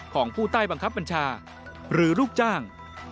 ของผู้ใต้บังคับบัญชาหรือลูกจ้าง